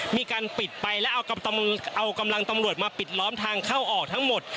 มีการปิดไปแล้วเอากำลังตำรวจมาปิดล้อมทางเข้าออกทั้งหมด